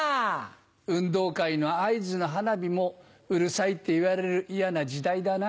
運動会の合図の花火もうるさいって言われる嫌な時代だな。